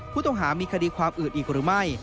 ผู้ต้องหามีคดีความอื่นอีกหรือไม่